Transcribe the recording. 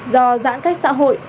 do giãn cách xã hội